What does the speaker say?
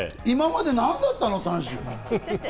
今まで何だったの？って話。